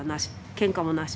けんかもなし。